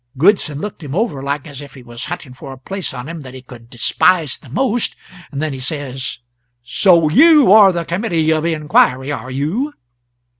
Goodson looked him over, like as if he was hunting for a place on him that he could despise the most; then he says, 'So you are the Committee of Inquiry, are you?'